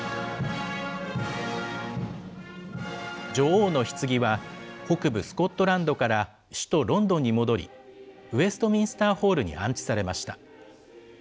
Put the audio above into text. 女王のひつぎは、北部スコットランドから首都ロンドンに戻り、ウェストミンスターホールに安置されました。